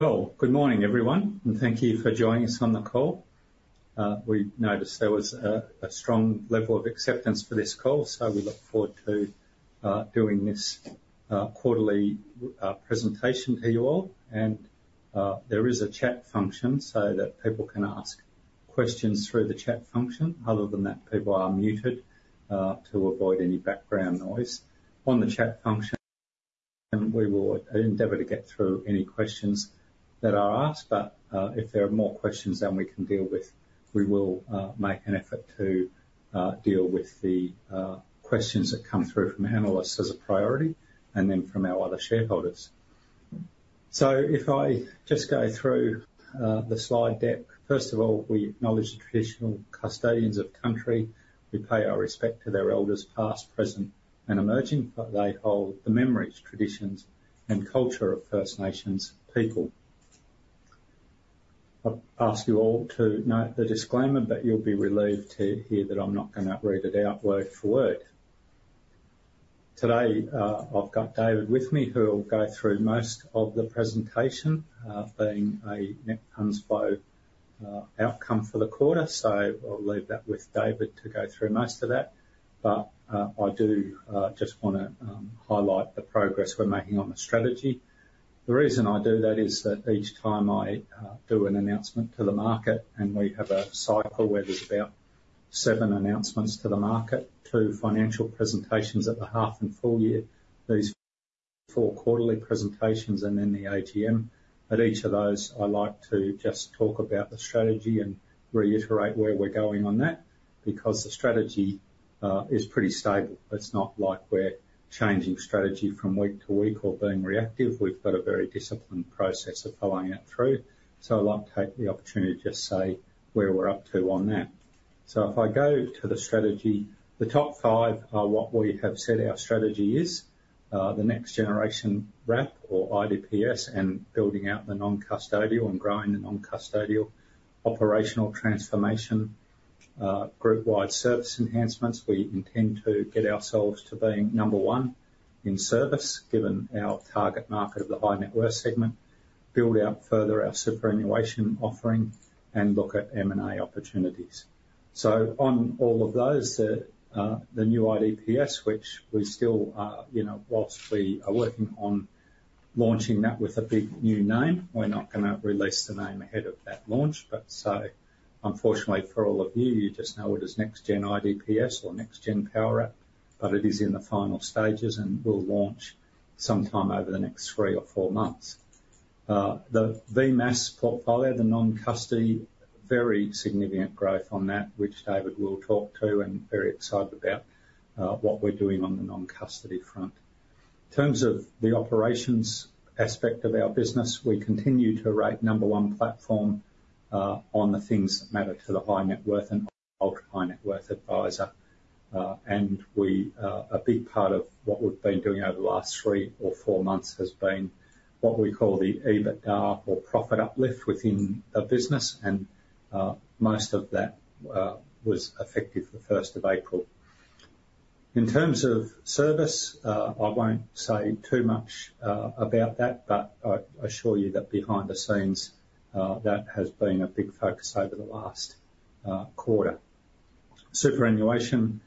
Cool. Good morning, everyone, and thank you for joining us on the call. We noticed there was a strong level of acceptance for this call, so we look forward to doing this quarterly presentation to you all. There is a chat function so that people can ask questions through the chat function. Other than that, people are muted to avoid any background noise. On the chat function, we will endeavor to get through any questions that are asked, but if there are more questions than we can deal with, we will make an effort to deal with the questions that come through from analysts as a priority and then from our other shareholders. If I just go through the slide deck, first of all, We acknowledge the traditional custodians of Country. We pay our respect to their elders past, present, and emerging, for they hold the memories, traditions, and culture of First Nations people. I'll ask you all to note the disclaimer, but you'll be relieved to hear that I'm not gonna read it out word for word. Today, I've got David with me who'll go through most of the presentation, being the net funds flow outcome for the quarter, so I'll leave that with David to go through most of that. But I do just wanna highlight the progress we're making on the strategy. The reason I do that is that each time I do an announcement to the market, and we have a cycle where there's about seven announcements to the market, two financial presentations at the half and full year, these four quarterly presentations, and then the AGM. At each of those, I like to just talk about the strategy and reiterate where we're going on that because the strategy is pretty stable. It's not like we're changing strategy from week to week or being reactive. We've got a very disciplined process of following it through, so I like to take the opportunity to just say where we're up to on that. So if I go to the strategy, the top five are what we have said our strategy is, the next generation wrap or IDPS and building out the non-custodial and growing the non-custodial operational transformation, group-wide service enhancements. We intend to get ourselves to being number one in service, given our target market of the high net worth segment, build out further our superannuation offering, and look at M&A opportunities. So on all of those, the new IDPS, which we still, you know, whilst we are working on launching that with a big new name, we're not gonna release the name ahead of that launch. But, so unfortunately for all of you, you just know it is Next-Gen IDPS or Next-Gen Powerwrap, but it is in the final stages and will launch sometime over the next three or four months. The VMAAS portfolio, the non-custodial, very significant growth on that, which David will talk to and very excited about, what we're doing on the non-custodial front. In terms of the operations aspect of our business, we continue to rate number one platform, on the things that matter to the high net worth and ultra-high net worth adviser. and we, a big part of what we've been doing over the last three or four months has been what we call the EBITDA or profit uplift within the business, and most of that was effective the 1st of April. In terms of service, I won't say too much about that, but I assure you that behind the scenes, that has been a big focus over the last quarter. Superannuation,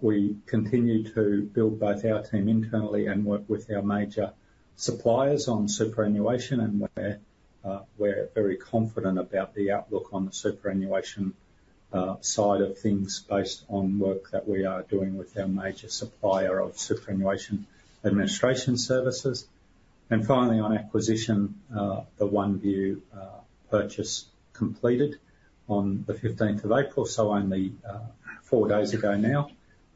we continue to build both our team internally and work with our major suppliers on superannuation, and we're very confident about the outlook on the superannuation side of things based on work that we are doing with our major supplier of superannuation administration services. And finally, on acquisition, the OneVue purchase completed on the 15th of April, so only four days ago now.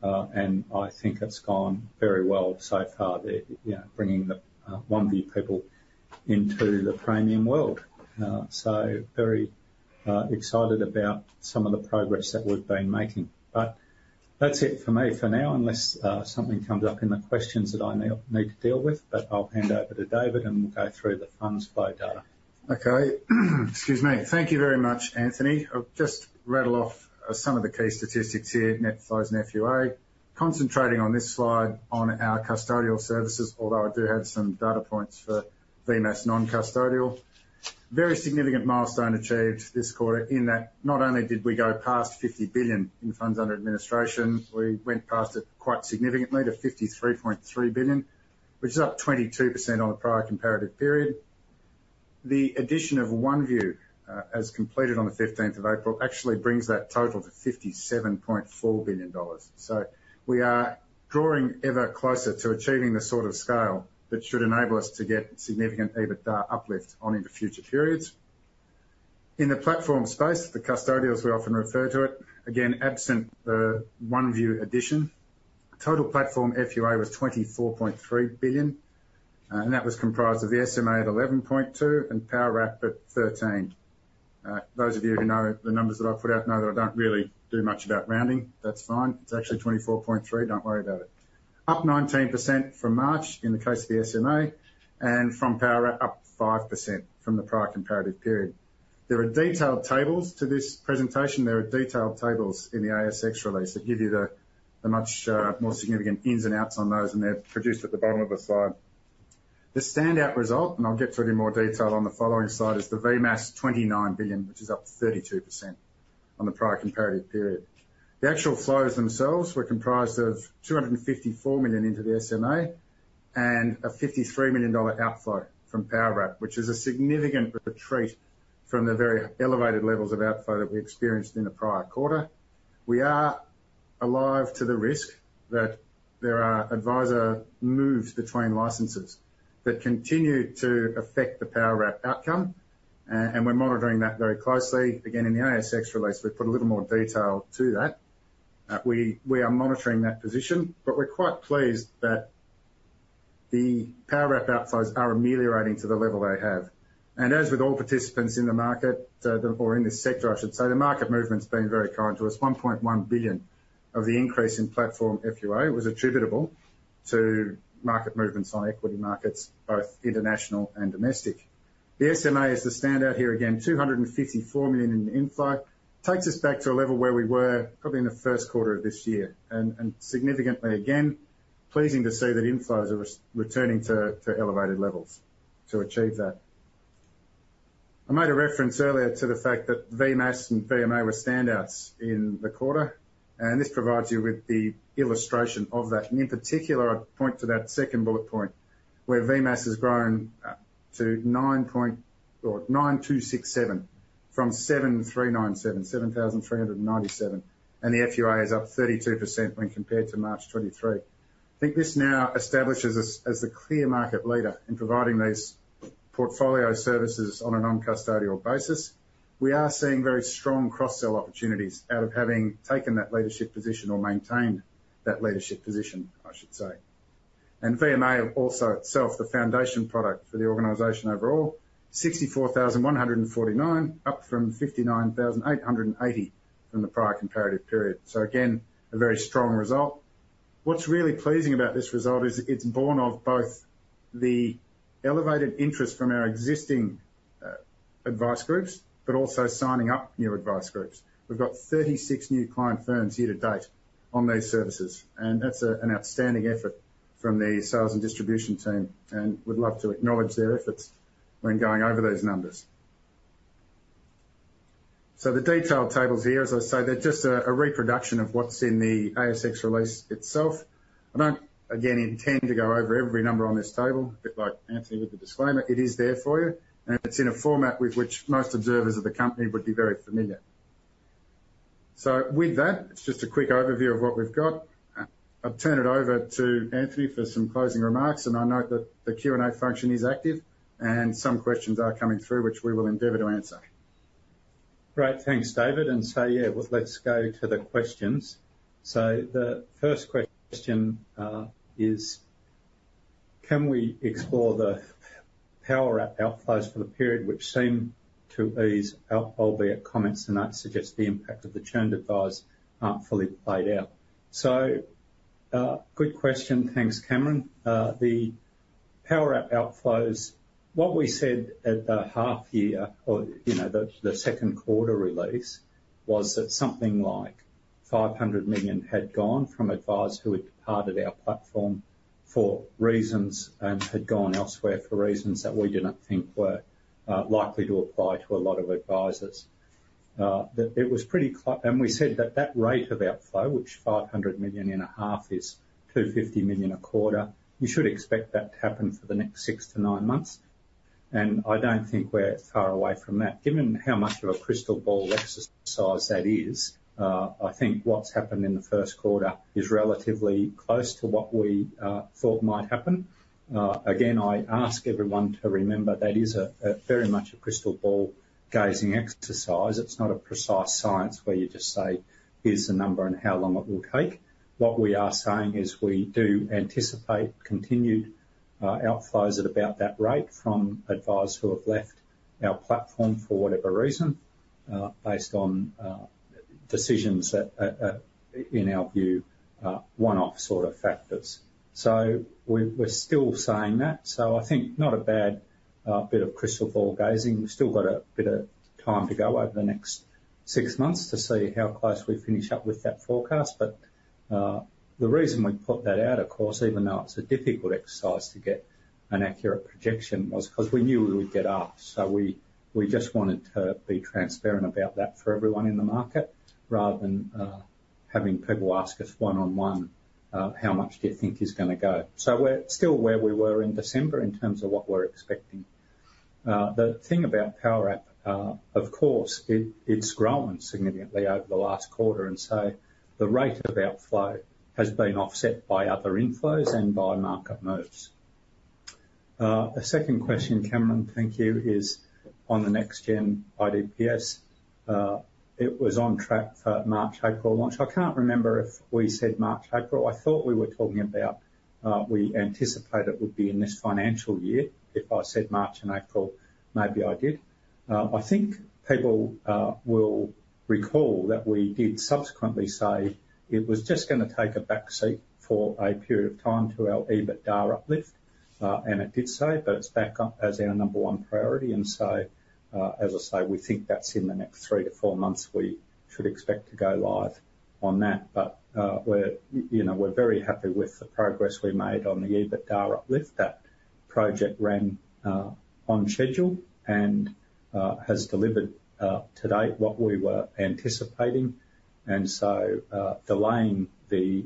I think it's gone very well so far there, you know, bringing the OneVue people into the Praemium world. So very excited about some of the progress that we've been making. But that's it for me for now unless something comes up in the questions that I need to deal with, but I'll hand over to David and we'll go through the FundsFlow data. Okay. Excuse me. Thank you very much, Anthony. I'll just rattle off some of the key statistics here, net flows, net FUA, concentrating on this slide on our custodial services, although I do have some data points for VMA's non-custodial. Very significant milestone achieved this quarter in that not only did we go past 50 billion in funds under administration, we went past it quite significantly to 53.3 billion, which is up 22% on the prior comparative period. The addition of OneVue, as completed on the 15th of April actually brings that total to 57.4 billion dollars. So we are drawing ever closer to achieving the sort of scale that should enable us to get Significant EBITDA uplift on into future periods. In the platform space, the custodials, we often refer to it, again, absent the OneVue addition, total platform FUA was 24.3 billion, and that was comprised of the SMA at 11.2 billion and Powerwrap at 13 billion. Those of you who know the numbers that I've put out know that I don't really do much about rounding. That's fine. It's actually 24.3. Don't worry about it. Up 19% from March in the case of the SMA, and from Powerwrap, up 5% from the prior comparative period. There are detailed tables to this presentation. There are detailed tables in the ASX release that give you the much more significant ins and outs on those, and they're produced at the bottom of the slide. The standout result, and I'll get to it in more detail on the following slide, is the VMAAS 29 billion, which is up 32% on the prior comparative period. The actual flows themselves were comprised of 254 million into the SMA and an 53 million dollar outflow from Powerwrap, which is a significant retreat from the very elevated levels of outflow that we experienced in the prior quarter. We are alive to the risk that there are adviser moves between licenses that continue to affect the Powerwrap outcome, and we're monitoring that very closely. Again, in the ASX release, we put a little more detail to that. We are monitoring that position, but we're quite pleased that the Powerwrap outflows are ameliorating to the level they have. As with all participants in the market, or in this sector, I should say, the market movement's been very kind to us. 1.1 billion of the increase in platform FUA was attributable to market movements on equity markets, both international and domestic. The SMA is the standout here again, 254 million in inflow. Takes us back to a level where we were probably in the first quarter of this year, and significantly again, pleasing to see that inflows are returning to elevated levels to achieve that. I made a reference earlier to the fact that VMAS and VMA were standouts in the quarter, and this provides you with the illustration of that. And in particular, I'd point to that second bullet point where VMAS has grown to 9,267 from 7,397, and the FUA is up 32% when compared to March 2023. I think this now establishes us as the clear market leader in providing these portfolio services on a non-custodial basis. We are seeing very strong cross-sell opportunities out of having taken that leadership position or maintained that leadership position, I should say. VMA also itself, the foundation product for the organization overall, 64,149, up from 59,880 from the prior comparative period. Again, a very strong result. What's really pleasing about this result is it's born of both the elevated interest from our existing advice groups, but also signing up new advice groups. We've got 36 new client firms year to date on these services, and that's an outstanding effort from the sales and distribution team, and would love to acknowledge their efforts when going over those numbers. The detailed tables here, as I say, they're just a reproduction of what's in the ASX release itself. I don't, again, intend to go over every number on this table, a bit like Anthony with the disclaimer. It is there for you, and it's in a format with which most observers of the company would be very familiar. So with that, it's just a quick overview of what we've got. I'll turn it over to Anthony for some closing remarks, and I note that the Q&A function is active and some questions are coming through, which we will endeavor to answer. Great. Thanks, David. And so, yeah, well, let's go to the questions. So the first question is, can we explore the Powerwrap outflows for the period which seem to ease out, albeit comments and notes suggest the impact of the churned advice aren't fully played out? So, good question. Thanks, Cameron. The Powerwrap outflows, what we said at the half year or, you know, the second quarter release was that something like 500 million had gone from advice who had departed our platform for reasons and had gone elsewhere for reasons that we didn't think were likely to apply to a lot of advisers. That it was pretty close and we said that that rate of outflow, which 500 million and a half is 250 million a quarter, you should expect that to happen for the next six to nine months. I don't think we're far away from that. Given how much of a crystal ball exercise that is, I think what's happened in the first quarter is relatively close to what we thought might happen. Again, I ask everyone to remember that it is a very much a crystal ball gazing exercise. It's not a precise science where you just say, "Here's the number and how long it will take." What we are saying is we do anticipate continued outflows at about that rate from advisers who have left our platform for whatever reason, based on decisions that, in our view, one-off sort of factors. So we're still saying that. So I think not a bad bit of crystal ball gazing. We've still got a bit of time to go over the next six months to see how close we finish up with that forecast. But, the reason we put that out, of course, even though it's a difficult exercise to get an accurate projection, was 'cause we knew we would get up. So we just wanted to be transparent about that for everyone in the market rather than having people ask us one-on-one, how much do you think is gonna go. So we're still where we were in December in terms of what we're expecting. The thing about Powerwrap, of course, it's grown significantly over the last quarter, and so the rate of outflow has been offset by other inflows and by market moves. The second question, Cameron, thank you, is on the Next-Gen IDPS. It was on track for March, April launch. I can't remember if we said March, April. I thought we were talking about we anticipate it would be in this financial year. If I said March and April, maybe I did. I think people will recall that we did subsequently say it was just gonna take a backseat for a period of time to our EBITDA uplift, and it did say, but it's back up as our number one priority. And so, as I say, we think that's in the next three to four months we should expect to go live on that. But, we're, you know, we're very happy with the progress we made on the EBITDA uplift. That project ran on schedule and has delivered, to date, what we were anticipating. And so, delaying the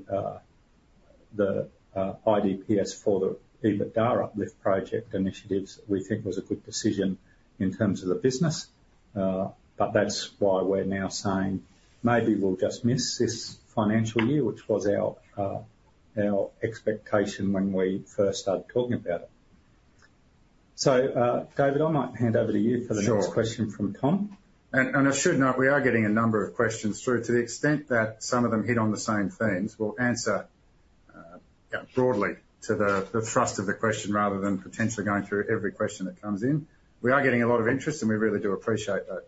IDPS for the EBITDA uplift project initiatives we think was a good decision in terms of the business. But that's why we're now saying maybe we'll just miss this financial year, which was our expectation when we first started talking about it. David, I might hand over to you for the next. Sure. Question from Tom. I should note we are getting a number of questions through. To the extent that some of them hit on the same themes, we'll answer, yeah, broadly to the thrust of the question rather than potentially going through every question that comes in. We are getting a lot of interest, and we really do appreciate that.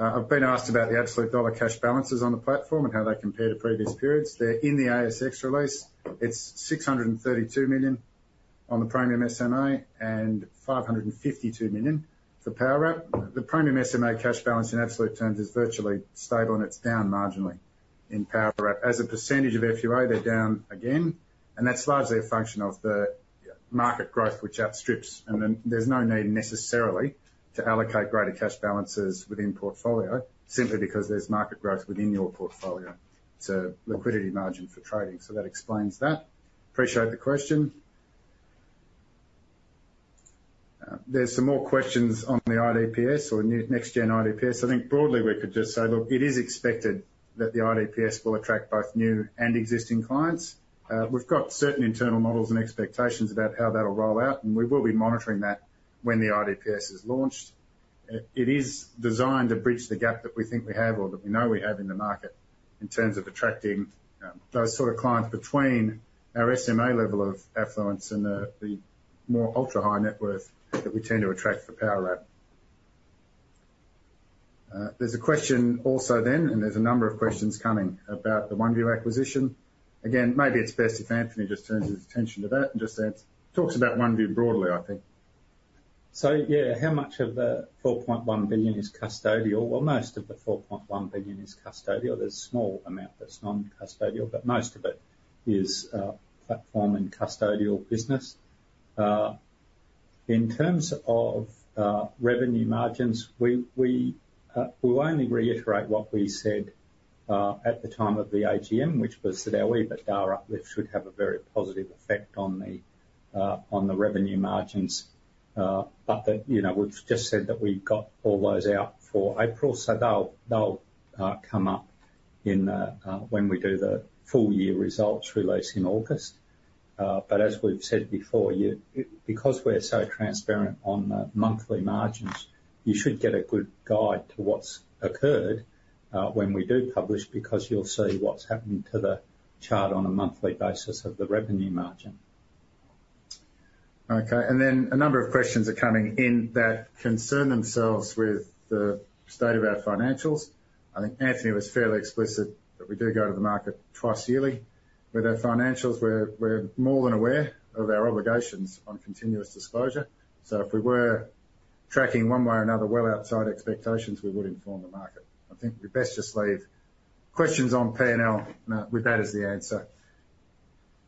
I've been asked about the absolute dollar cash balances on the platform and how they compare to previous periods. They're in the ASX release. It's 632 million on the Praemium SMA and 552 million for Powerwrap. The Praemium SMA cash balance in absolute terms is virtually stable, and it's down marginally in Powerwrap. As a percentage of FUA, they're down again, and that's largely a function of the, you know, market growth which outstrips. And then there's no need necessarily to allocate greater cash balances within portfolio simply because there's market growth within your portfolio. It's a liquidity margin for trading, so that explains that. Appreciate the question. There's some more questions on the IDPS or new Next-Gen IDPS. I think broadly we could just say, look, it is expected that the IDPS will attract both new and existing clients. We've got certain internal models and expectations about how that'll roll out, and we will be monitoring that when the IDPS is launched. It is designed to bridge the gap that we think we have or that we know we have in the market in terms of attracting, those sort of clients between our SMA level of affluence and the, the more ultra-high net worth that we tend to attract for Powerwrap. There's a question also then, and there's a number of questions coming about the OneVue acquisition. Again, maybe it's best if Anthony just turns his attention to that and just answers talks about OneVue broadly, I think. So, yeah, how much of the 4.1 billion is custodial? Well, most of the 4.1 billion is custodial. There's a small amount that's non-custodial, but most of it is platform and custodial business. In terms of revenue margins, we'll only reiterate what we said at the time of the AGM, which was that our EBITDA uplift should have a very positive effect on the revenue margins, but you know, we've just said that we've got all those out for April, so they'll come up when we do the full-year results release in August. But as we've said before, you because we're so transparent on the monthly margins, you should get a good guide to what's occurred when we do publish because you'll see what's happening to the chart on a monthly basis of the revenue margin. Okay. And then a number of questions are coming in that concern themselves with the state of our financials. I think Anthony was fairly explicit that we do go to the market twice yearly with our financials. We're, we're more than aware of our obligations on continuous disclosure. So if we were tracking one way or another well outside expectations, we would inform the market. I think we best just leave questions on P&L, and, with that as the answer.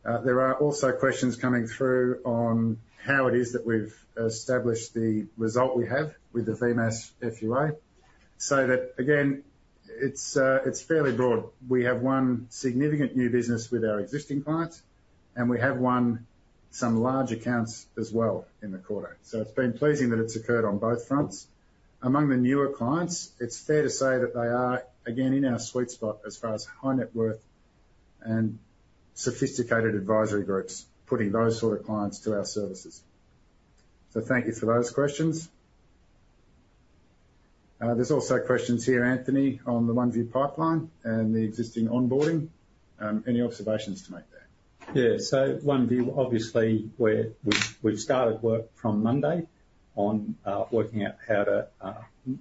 There are also questions coming through on how it is that we've established the result we have with the VMAAS FUA. So that, again, it's, it's fairly broad. We have one significant new business with our existing clients, and we have won some large accounts as well in the quarter. So it's been pleasing that it's occurred on both fronts. Among the newer clients, it's fair to say that they are, again, in our sweet spot as far as high net worth and sophisticated advisory groups putting those sort of clients to our services. So thank you for those questions. There's also questions here, Anthony, on the OneVue pipeline and the existing onboarding. Any observations to make there? Yeah. So OneVue, obviously, we've started work from Monday on working out how to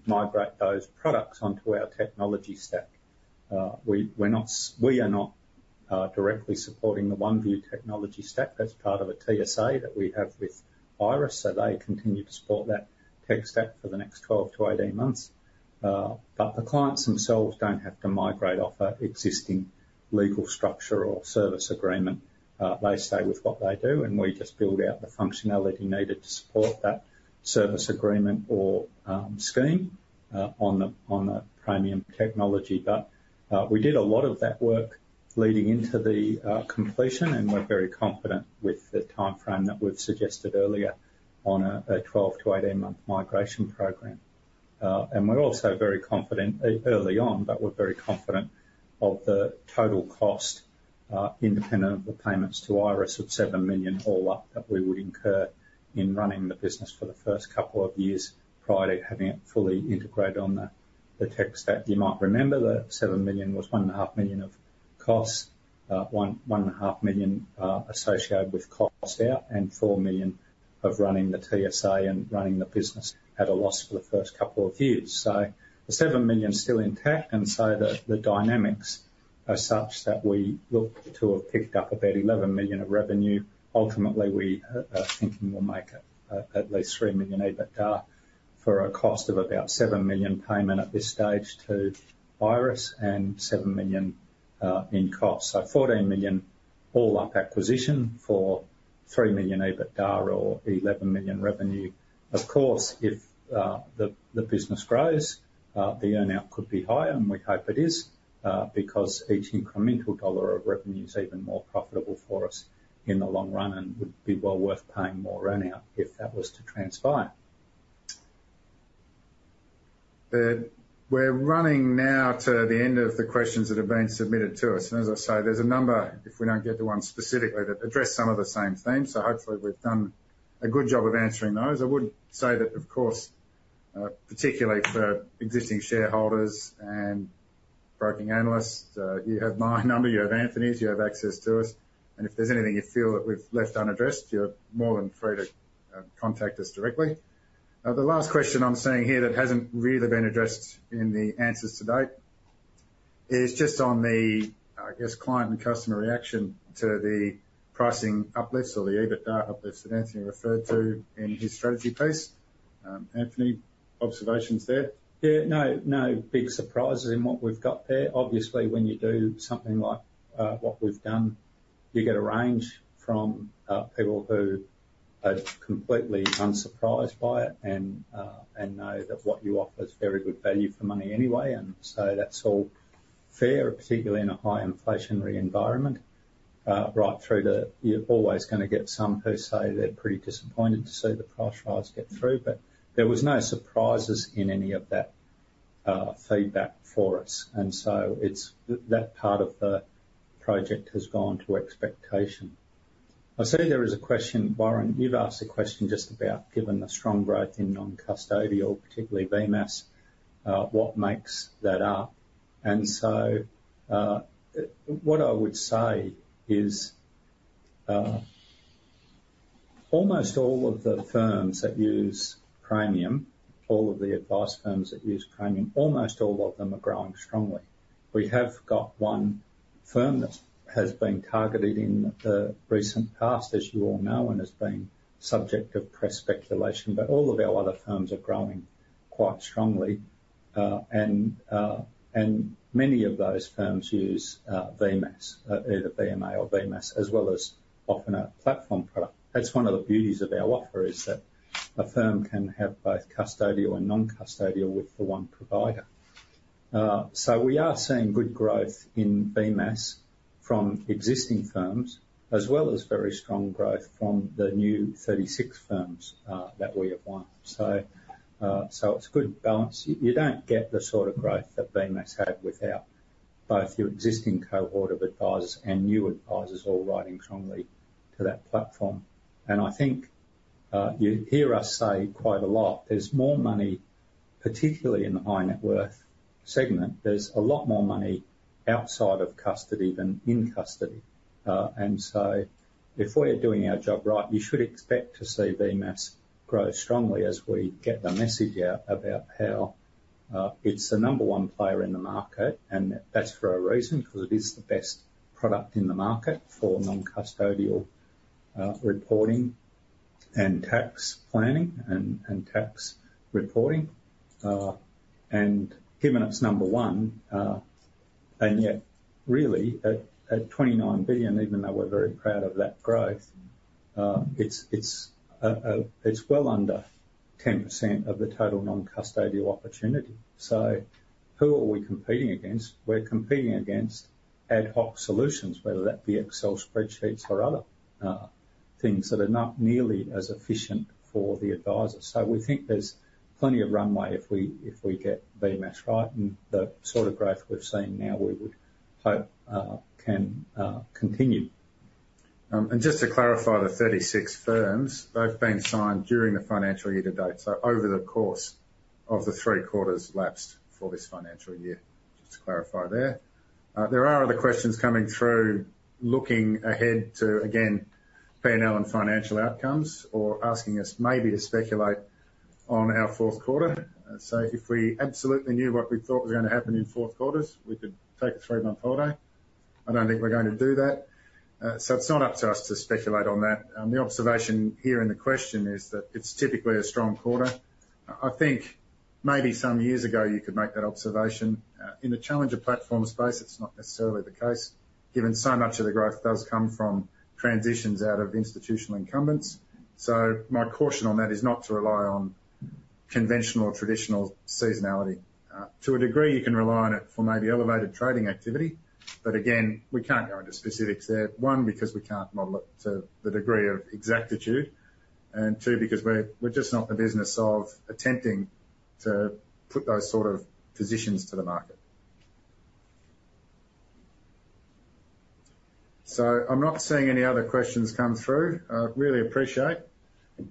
migrate those products onto our technology stack. We're not directly supporting the OneVue technology stack. That's part of a TSA that we have with Iress, so they continue to support that tech stack for the next 12-18 months. But the clients themselves don't have to migrate off an existing legal structure or service agreement. They stay with what they do, and we just build out the functionality needed to support that service agreement or scheme on the Praemium technology. But we did a lot of that work leading into the completion, and we're very confident with the timeframe that we've suggested earlier on a 12-18-month migration program. We're also very confident early on, but we're very confident of the total cost, independent of the payments to Iress of 7 million all up that we would incur in running the business for the first couple of years prior to having it fully integrated on the tech stack. You might remember the 7 million was 1.5 million of costs, 1.5 million, associated with cost out and 4 million of running the TSA and running the business. At a loss for the first couple of years. So the 7 million's still intact, and so the dynamics are such that we look to have picked up about 11 million of revenue. Ultimately, we thinking we'll make it, at least 3 million EBITDA for a cost of about 7 million payment at this stage to Iress and 7 million in cost. So 14 million all up acquisition for 3 million EBITDA or 11 million revenue. Of course, if the business grows, the earnout could be higher, and we hope it is, because each incremental dollar of revenue's even more profitable for us in the long run and would be well worth paying more earnout if that was to transpire. We're running now to the end of the questions that have been submitted to us. And as I say, there's a number, if we don't get to one specifically, that address some of the same themes. So hopefully we've done a good job of answering those. I would say that, of course, particularly for existing shareholders and broking analysts, you have my number. You have Anthony's. You have access to us. And if there's anything you feel that we've left unaddressed, you're more than free to contact us directly. The last question I'm seeing here that hasn't really been addressed in the answers to date is just on the, I guess, client and customer reaction to the pricing uplifts or the EBITDA uplifts that Anthony referred to in his strategy piece. Anthony, observations there? Yeah. No, no big surprises in what we've got there. Obviously, when you do something like what we've done, you get a range from people who are completely unsurprised by it and know that what you offer's very good value for money anyway. And so that's all fair, particularly in a high-inflationary environment, right through to you're always gonna get some who say they're pretty disappointed to see the price rise get through. But there was no surprises in any of that feedback for us. And so it's that part of the project has gone to expectation. I see there is a question, Warren. You've asked a question just about, given the strong growth in non-custodial, particularly VMAAS, what makes that up? And so, what I would say is, almost all of the firms that use Praemium, all of the advice firms that use Praemium, almost all of them are growing strongly. We have got one firm that has been targeted in the recent past, as you all know, and has been subject of press speculation. But all of our other firms are growing quite strongly. And many of those firms use VMAAS, either VMA or VMAAS, as well as often a platform product. That's one of the beauties of our offer, is that a firm can have both custodial and non-custodial with the one provider. So we are seeing good growth in VMAAS from existing firms as well as very strong growth from the new 36 firms that we have won. So it's a good balance. You don't get the sort of growth that VMAAS had without both your existing cohort of advisors and new advisors all riding strongly to that platform. And I think, you hear us say quite a lot, there's more money, particularly in the high-net-worth segment, there's a lot more money outside of custody than in custody. And so if we're doing our job right, you should expect to see VMAAS grow strongly as we get the message out about how, it's the number one player in the market, and that's for a reason 'cause it is the best product in the market for non-custodial, reporting and tax planning and, and tax reporting. And given it's number one, and yet really, at 29 billion, even though we're very proud of that growth, it's well under 10% of the total non-custodial opportunity. So who are we competing against? We're competing against ad hoc solutions, whether that be Excel spreadsheets or other things that are not nearly as efficient for the advisor. So we think there's plenty of runway if we get VMAAS right, and the sort of growth we've seen now, we would hope, can continue. Just to clarify, the 36 firms, they've been signed during the financial year to date. So over the course of the three quarters lapsed for this financial year, just to clarify there. There are other questions coming through looking ahead to, again, P&L and financial outcomes or asking us maybe to speculate on our fourth quarter. So if we absolutely knew what we thought was gonna happen in fourth quarters, we could take a three-month holiday. I don't think we're gonna do that. So it's not up to us to speculate on that. The observation here in the question is that it's typically a strong quarter. I think maybe some years ago you could make that observation. In the challenger platform space, it's not necessarily the case given so much of the growth does come from transitions out of institutional incumbents. So my caution on that is not to rely on conventional or traditional seasonality. To a degree, you can rely on it for maybe elevated trading activity. But again, we can't go into specifics there. One, because we can't model it to the degree of exactitude. And two, because we're, we're just not in the business of attempting to put those sort of positions to the market. So I'm not seeing any other questions come through. Really appreciate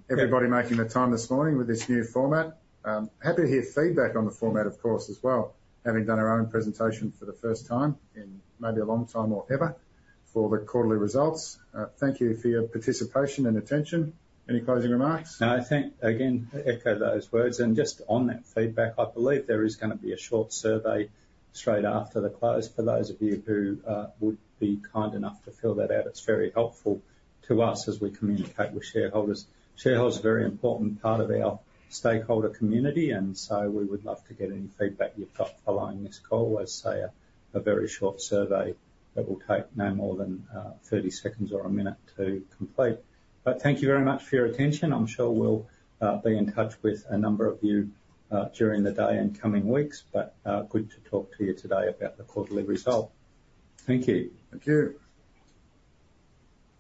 everybody making the time this morning with this new format. Happy to hear feedback on the format, of course, as well, having done our own presentation for the first time in maybe a long time or ever for the quarterly results. Thank you for your participation and attention. Any closing remarks? No, I think again, echo those words. And just on that feedback, I believe there is gonna be a short survey straight after the close for those of you who would be kind enough to fill that out. It's very helpful to us as we communicate with shareholders. Shareholders are a very important part of our stakeholder community, and so we would love to get any feedback you've got following this call as, say, a very short survey that will take no more than 30 seconds or a minute to complete. But thank you very much for your attention. I'm sure we'll be in touch with a number of you during the day and coming weeks. But good to talk to you today about the quarterly result. Thank you. Thank you.